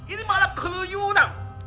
ini malam keruyuk nak